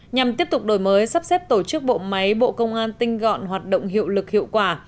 nhằm tiếp tục đổi mới sắp xếp tổ chức bộ máy bộ công an tinh gọn hoạt động hiệu lực hiệu quả